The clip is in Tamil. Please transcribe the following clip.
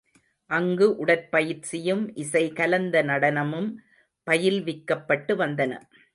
அங்கு உடற்பயிற்சியும் இசை கலந்த நடனமும் பயில்விக்கப்பட்டு வந்தன.